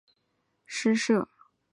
离开创世纪诗社。